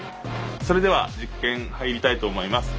それでは実験入りたいと思います。